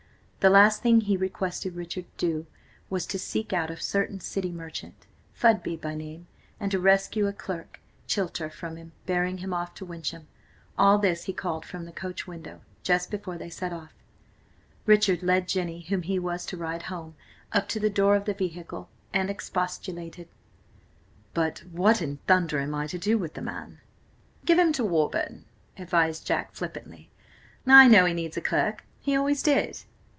The last thing he requested Richard to do was to seek out a certain city merchant, Fudby by name, and to rescue a clerk, Chilter, from him, bearing him off to Wyncham. All this he called from the coach window, just before they set off. Richard led Jenny, whom he was to ride home, up to the door of the vehicle, and expostulated. "But what in thunder am I to do with the man?" "Give him to Warburton," advised Jack flippantly. "I know he needs a clerk–he always did!"